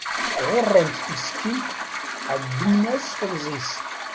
Ɣuṛṛen-tt meskint ɛedmen-as temẓi-s.